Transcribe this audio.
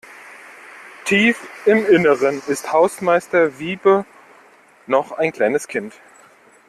Tief im Innern ist Hausmeister Wiebe noch ein kleines Kind.